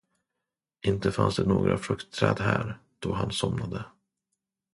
Inte fanns det några fruktträd här, då han somnade.